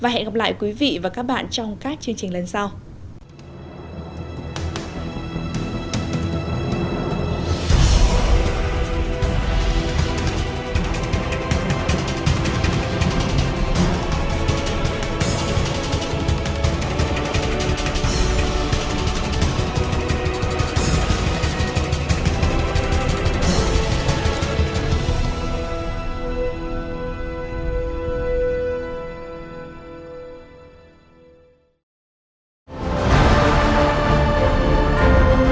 hẹn gặp lại các bạn trong những video tiếp theo